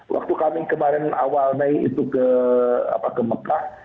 waktu kami kemarin awal mei itu ke mekah